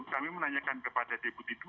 kami menanyakan kepada deputi dua